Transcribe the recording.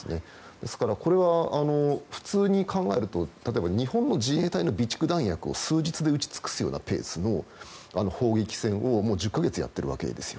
ですから、普通に考えると例えば日本の自衛隊の備蓄弾薬を数日で撃ち尽くすようなペースの砲撃戦を１０か月やっているわけですよ。